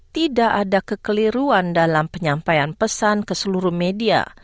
tidak ada kekeliruan dalam penyampaian pesan ke seluruh media